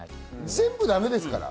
全部だめですから。